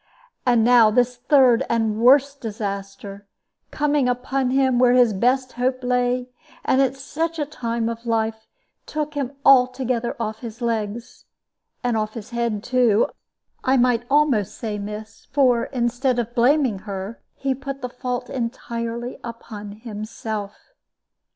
And now this third and worst disaster, coming upon him where his best hope lay, and at such a time of life, took him altogether off his legs. And off his head too, I might almost say, miss; for, instead of blaming her, he put the fault entirely upon himself.